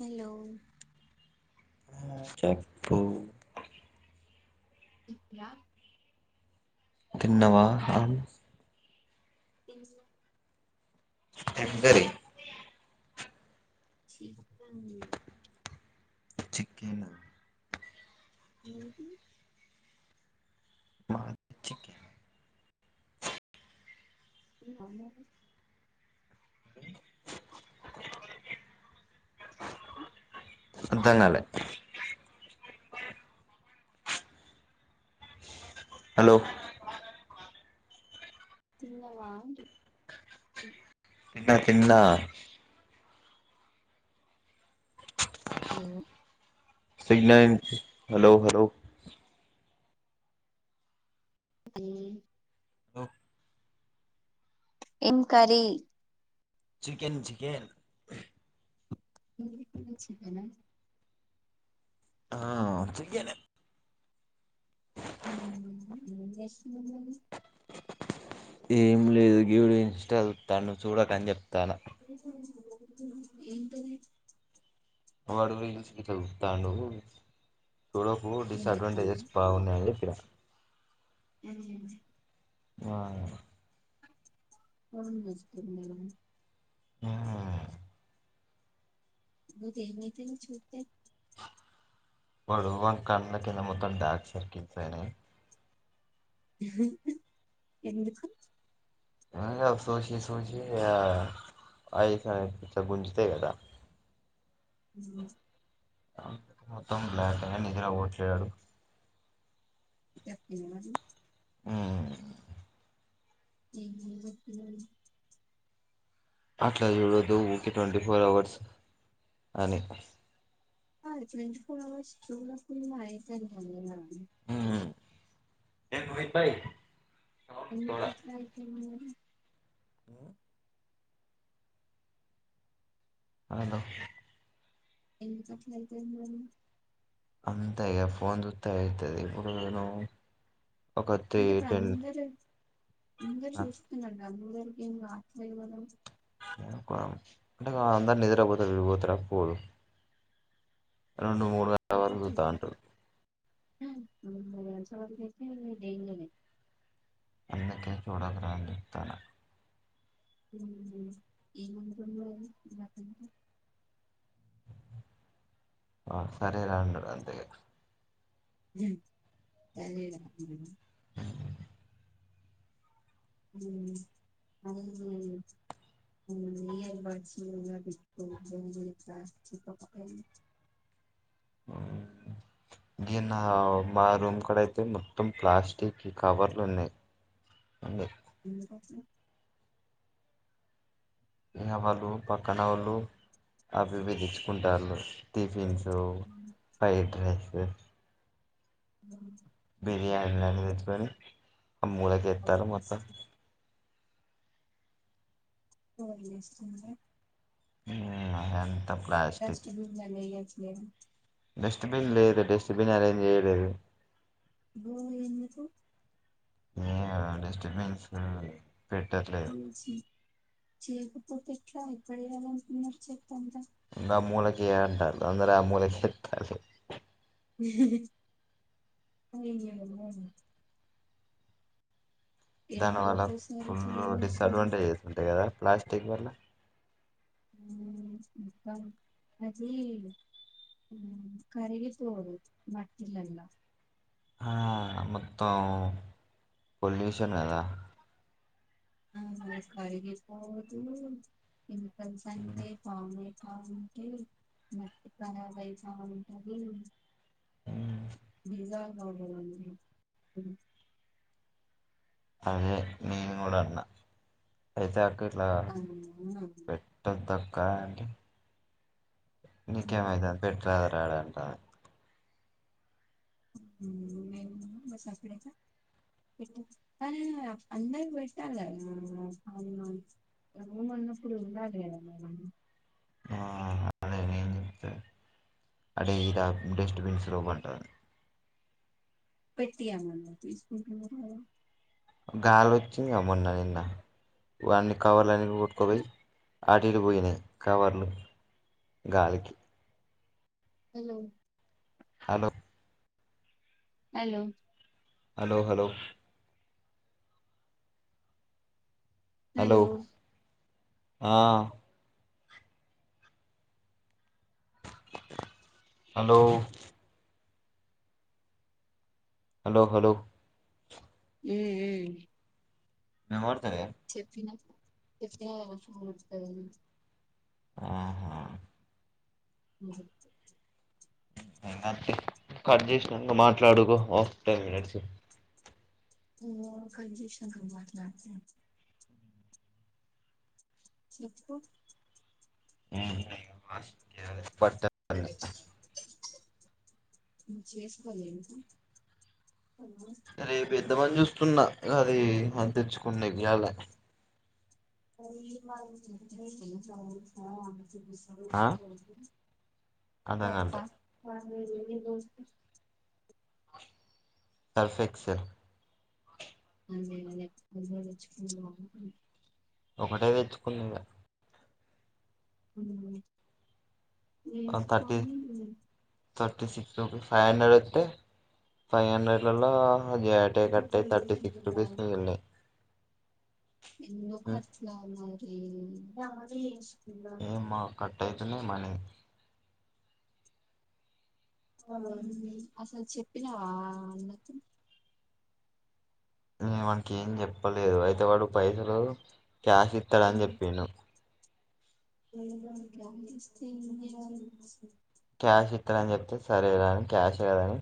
Hello ఆ చెప్పు [inaudible] తీన్నవా అం తిన్న ఏం కర్రీ చికెన్ చికెను మీది మాది చికెన్ తింటావా మరి అర్థంగాలే హలో తిన్నవండి తిన్న తిన్న.. ఉ సిగ్నల్స్ హలో హలో హలో ఏం కర్రీ చికెన్ చికెన్ [inaudible] చికెన్ హా ఆ చికెనే ఉ హు ఏంచేస్తునావ్ మరి ఏం లేదు గివిడు ఇన్స్టా చూస్తాడు చూడకని చెప్ [inaudible] ఏంటది వాడు రీల్స్ గీట్ల చూస్తాడు చూడకు డిస్ ఏం చెప్తాను అడ్వాంటేజెస్ బాగున్నాయి [unintelligible] హు ఆ.. ఫోన్ చూస్తుండడం హుహు మీకు ఏం చెప్పింది చూస్తే వాడు వానీ కళ్ళ కింద మొత్తం డార్క్సర్కిల్ అయినాయి హుహు ఎందుకు ఏం గాదు సోచి సోచి ఆ ఆయిపయి ఇట్ల గుంజుతయి కద ఊమ్ మొత్తం లేకనే నిద్రపోవట్లేదు వాడు తప్పిందా మరి ఉహ్.. ఏమని చెప్పింది మరి అట్లా చూడదు ఊకె ట్వంటీ ఫోర్ అవర్స్ అని హా ఆది ట్వంటీ ఫోర్ అవర్స్ చూడకున్న అయితది వాని వల్లా ఊ ఎందుకు కట్ల అయితుంది ఊ ఆగో ఎందుకట్లయితది నువు అంతె ఇగ ఫోన్ జూత్తే ఐతది ఇప్పుడును అంటే ఇప్పుడు అందరు అందరు చూస్తున్నారు మ అందరికి మాత్రైవదం అంటే ఇగ అందరు నిద్ర పోతారు ఈడు పోతడ పోడు రెండు మూడు వరకు తిరుగుతాంటడు ఉ నాకు తెలిసిన వరకైతే డేంజర్ ఏ అందుకే చూడద్రా అని చెప్తన ఉహు ఏముంటది మరి అతనికి [inaudible] ఆ సరే రాండి మీరు అంతెగా ఉ తనేనా [unintelligible] ఊ అయ్యో ఊ ఇయర్ బర్డ్స్ కూడా పెట్టుకొని పనిజేత చెప్పకపోయినవ్ దీ నా మా రూమ్ కడ అయితే మొత్తం ప్లాస్టిక్ కవర్లు ఉన్నాయి అండి అందుకట్ల ఇగ వాళ్ళు పక్కనోళ్ళు అవి ఇవి తెచుకుంటాలు టిఫిన్సు ఫ్రైడ్ రైసు ఊ ఇగ అవి నాలుగు వెట్టుకొని కవర్ అమూలకెత్తాలు మొత్తం చేస్తు కవర్లేస్తుండ్రా ఊ అదండి డస్ట్బిన్ డస్ట్బిన్ లేదు డస్ట్బిన్ అరేంజ్ చేయలేదు బోర్ ఎందుకు ఏ డిస్టర్బన్స్ ఫుల్లు మంచిది చేయకపోతే ఫ్రం ఇక్కడే గా మనకు నచ్చే ఇందాక మూలక్ ఏంటాలు అంద్ర ఆ మూల చెతలు [unintelligible] ఇంకేందో బావుంది ఎన్ని దాని వల్ల రోజులకోసారి ఫుల్ ఫుల్లు క్లీన్ డిస్ చేస్తారు అడ్వాంటేజెస్ ఉంటాయి కదా ప్లాస్టిక్ వల్ల అది ఆ కరిగి పోదు మట్టిల్లల ఆ మొత్తం పొల్యూషన్ కదా ఆమే కడిగే [unintelligible] ఇక సంజే [unintelligible] బాగుంటే మట్టి వై బా ఉంటుంది ఉమ్. బలా ఆ అదే మేము కూడా ఐతే అక్కకు ఇట్లా అవునా పెట్టో ద కా అంట నీకేం అయితాంది పెట్టు రాజ్ రాడంట బ అడ అందరి పెట్టాల ర అన్నప్పుడు ఉాల ఆ అదే నేను చెప్తా అడే ఇలా డస్ట్బిన్స్ లోపంటుంది పెట్టయామన్న తీసు గాలి వచ్చింది మొన్న నిన్న వాన్ని కవర్లన్ని రవర్డ్ కదా కలేజ్ ఆటిటు పోయినవి కవర్లు గాలికి hello hello hello hello hello hello ఆ హలో హలో హలో హు హు నెంబర్ చెప్పిన [unintelligible] ఆహా కట్ చేసినక మాట్లాడుకో టెన్ మినిట్స్ కడిషన్బట్లా చితుకు మా పట్టేతాంది [unintelligible] రేపు ఎంత మంది చూస్తున్నారు అది అ తెచ్చుకునే ఇయాలనీ [unintelligible] ఆ అర్థం సపా కాలే అ ఏ బ సల్ఫ్ ఎక్సెల్ అదే అ తెచ్చుకుని బాగ ఒకటే తెచ్చుకున్నదా అ థర్టీ ఏసికొని థర్టీ రూపీస్ ఫైవ్ హండ్రెడ్ వేట్ ఫైవ్హండ్రేల్లో జట కట్ట తథర్టి సిక్స్ రుూపీస్ మిగిలానయా లోకట్లా వున్ ఏ ఇలా ఏతలె మనీ అసలు చెప్పినా అన్న న మనకి ఏం చెప్పలేదు అయితే వాడు పైసలు క్యాష్ ఇస్తాడని చెప్పను ఏందో [unintelligible] క్యాష్ ఇస్తానని చెప్తే సరే రాని క్యాష్ కదని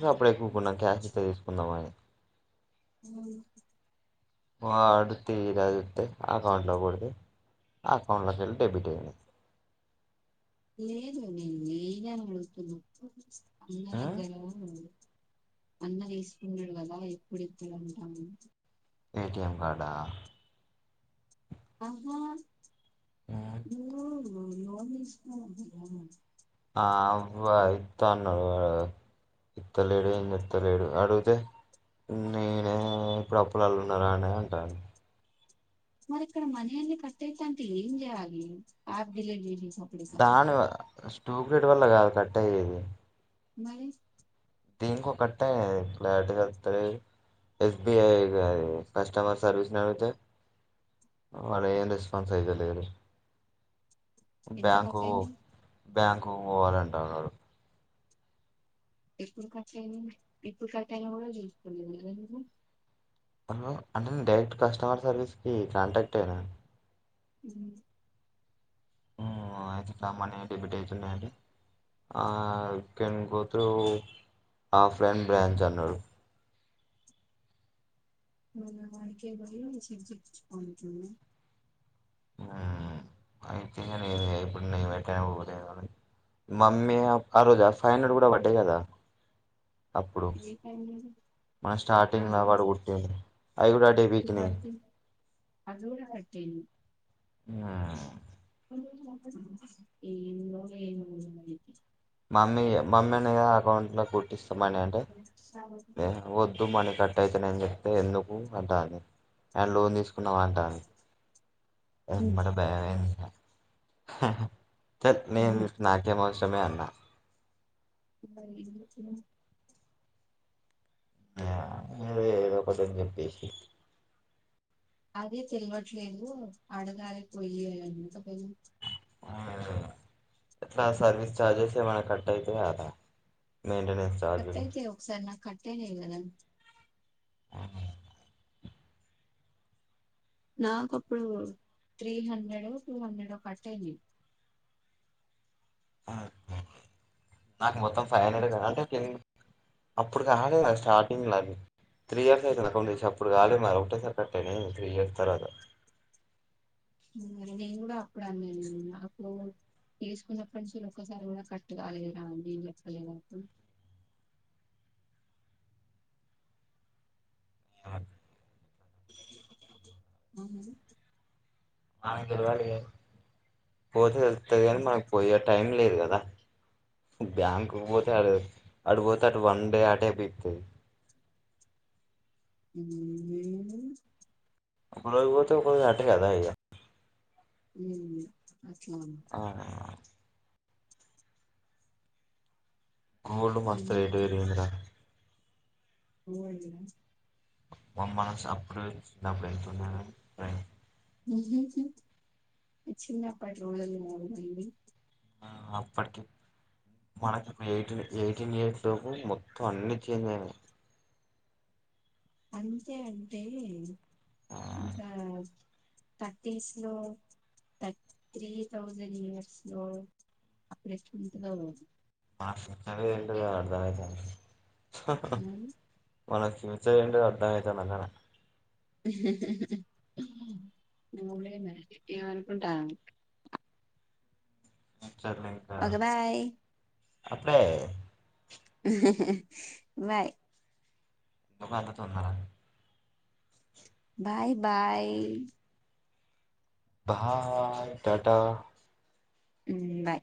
ఇ అప్పుడు ఎక్కున్నాం క్యాష్ ఇయితే తీసుకుందాం అని ఆవును వా అడుతే ఇది అడుతే ఆ అకౌంట్లో కొడితే ఆ అకౌంట్లోకి వెళ్ళి డెబిట్ అయ్య లేదు నేను ఏనును పూ ఉమ్ అన్నదగర అన్న వసుకున్నాడు కదా ఎప్పుడుద్దడు అంటాము ఏటిఎం కార్డ ఆ అహా ఉమ్ ఎవడు నిష ఉందిగా అవబ ఇత్త అన్నారు ఇత్తలేడు ఏం చెత్తలేడు అడిగితే నేనే ఇప్పుడు అప్పులళు ఉన్నారా అనే అంటాను మరి ఇక్కడ మనల్ కట్టాయిత అంత ఏం చేయాలి అప్ డిలీట్ చేసేసి అప్పుడేక దానివద స్టోవ్ గ్రేట్ వల్ల కాదు కట్ట అయ్యేది మరి దీంకు కట్టయి క్లారిటీ గా చేపట్లేదు S B I customer service నతే వాల్ ఏ రెస్పాన్స్ అయతే లేదు ఎంత కట్టయింది బ్యాంకు పోవాలంటా ఉన్నాడు ఎపుడు కాటా అయిందో ఏప్పుడు కాటయిడు కూడతెలతలేదు ను హలో అంటే డైరెక్ట్ కస్టమర్ సర్వీస్కి కాంటాక్ట్ అయ్యాను మ్మ్ మ్మ్ అయితే మనీ డెబిట్ అవుతున్నాయండి you can go through offline branch అన్నాడు వాడికే [unintelligible] అయితే ఇప్పుడు నే మామ్మీ ఆ రోజా హండ్రెడ్ కూడా వడ్డే కదా అప్పుడు ఏ టైం లేదు. మనం ఆ స్టార్టింగ్లో అవును. వాడు పట్టింది అవి కూడా అడేవికి ఇప్పుడు నేను పడుతుంది అది కూడా కెటే ఆ ఏందో ఏనుగుల మమ్మీ మమ్మదని అకౌంట్లో కొట్టిస్తా త్తమనే అంటే ఏ వద్ పొద్దు మనీ కట్ అయితన్నాయని చెప్తే ఎందుకు అంటంది అండ్ లోన్ తీసుకున్నాం అంటంది ఏమన బ్యాంక్ హా త నేమి నాకేమవుస్ సమే అన్న [inaudible] ఆ అదే ఏదో ఒకటిని చెప్పేసి అదే తెలియట్లేదు ఆడగారికి పోయక ఎట్లా సర్వీస్ చార్జెస్ ఏమైనా కట్ అవుతయా దా మెయింటెనెన్స్ చార్జ్ టయినయి గదా ఆహా నాకుప్పుడు త్రీ హండ్రెడ్ టూ హండ్రెడ్ కట్టయినయి అ నా మొత్తం ఫై హండ్రెడ్ కద అంటే కిన్ అప్పుడు కాలే నాకు స్టార్టింగ్ నావి త్రీ ఇయర్స్ అయితుంది అకౌంట్ చేసి అప్పుడుకి కాలే మ ఒకటే సరి కట్టేనయినయి త్రీ ఇయర్స్ తర్వాత మ్మ్ నేను కూడా అప్పుడు అన్నా న అప్పుడు తీసుకున్నప్పటి నుంచి ఒక్కసారి కూడా కట్టు కాలి కదా అని నేం చెప్పలేదప్పుడు అ మ్మ్ ఆమెకు తెల్వదు లే పోతే తెలుత్తది కాని మనకు పోయే టైం లేదు కదా బ్యాంక్ కు పోతే అడిపోతే అటు వన్ డే అటే పీకుతది మ్మ్ ఒకరోజు పోతే ఒకరోజు అటే కదా ఇగ మ్మ్ అట్లా ఆ గోల్డు మస్త రేటు పెరిగింది రా మ్మ్ మమ్మస్ అప్పుడు అప్పుడు ఎంతుండ [unintelligible] చిన్నప్పటి [unintelligible] ఆ అప్పటికి మనకిప్పుడు ఎయిటీన్ ఎయిటీన్ ఇయర్స్ లోపు మొత్తం అన్ని చేంజయినయి అంతే అంటే సా థర్టీస్ లో థర్ త్రీ థౌజండ్ ఇయర్స్ లో అప్పుడెట్టుంటదో మాష [unintelligible] అర్థమైతంది మ్మ్ మన ఫ్యూచర్ ఏంటో అర్థం అయితాంది నాకడ ఎం అనుకుంటున్నా సర్లే ఇంకా బాయ్ అప్పుడే ఉహూ హు బాయ్ అంత తొందర బాయ్ బాయ్ బాయ్ టాటా ఉం బాయ్